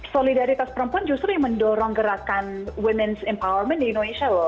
solidaritas perempuan justru yang mendorong gerakan women's empowerment di indonesia loh